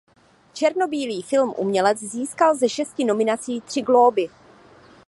Černobílý film "Umělec" získal ze šesti nominací tři Glóby.